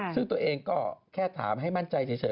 ซึ่งตัวเองก็แค่ถามให้มั่นใจเฉย